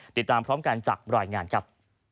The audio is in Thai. ติดตามพร้อมกันจากรายงานครับ